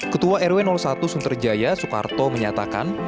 ketua rw satu sunterjaya soekarto menyatakan